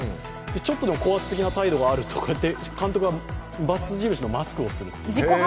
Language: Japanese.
ちょっとでも高圧的な態度があると、監督は罰印のマスクをするという。